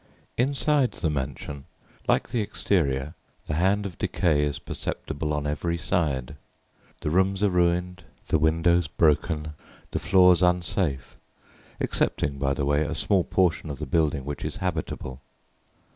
Inside the mansion, like the exterior, the hand of decay is perceptible on every side; the rooms are ruined, the windows broken, the floors unsafe (excepting, by the way, a small portion of the building which is habitable).